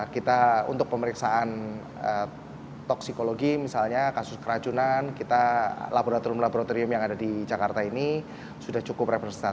kita untuk pemeriksaan toksikologi misalnya kasus keracunan kita laboratorium laboratorium yang ada di jakarta ini sudah cukup representatif